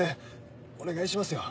お願いしますよ。